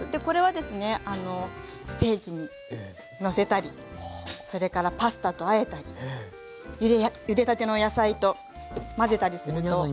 これはですねステーキにのせたりそれからパスタとあえたりゆでたての野菜と混ぜたりすると。